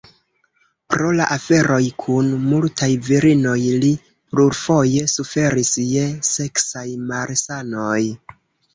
Pro la aferoj kun multaj virinoj, li plurfoje suferis je seksaj malsanoj.